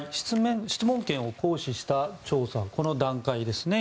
質問権を行使した調査はこの段階ですね。